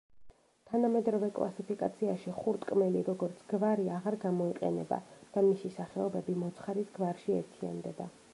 თანამედროვე კლასიფიკაციაში ხურტკმელი, როგორც გვარი აღარ გამოიყენება და მისი სახეობები მოცხარის გვარში ერთიანდება.